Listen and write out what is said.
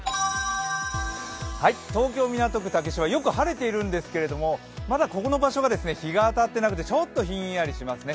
東京・港区竹芝よく晴れているんですけれども、まだここの場所が日が当たっていなくてちょっとひんやりしますね。